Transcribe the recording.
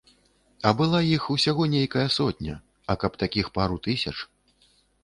А была іх усяго нейкая сотня, а каб такіх пару тысяч.